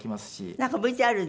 なんかＶＴＲで。